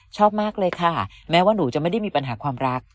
ชอบมากเลยค่ะแม้ว่าหนูจะไม่ได้มีปัญหาความรัก